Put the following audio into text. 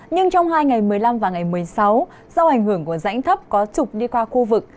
nhưng trong hai ngày một mươi năm và ngày một mươi sáu do ảnh hưởng của rãnh thấp có trục đi qua khu vực